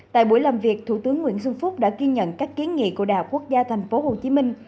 tại buổi làm việc thủ tướng nguyễn xuân phúc đã ghi nhận các kiến nghị của đại học quốc gia thành phố hồ chí minh